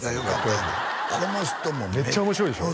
言うてこの人もめっちゃ面白いでしょ？